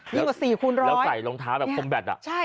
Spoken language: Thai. กว่า๔คูณร้อยแล้วใส่รองเท้าแบบคมแบตอ่ะใช่